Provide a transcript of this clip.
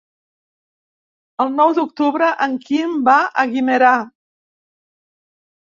El nou d'octubre en Quim va a Guimerà.